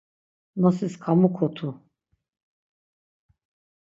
Nosis kamukotu.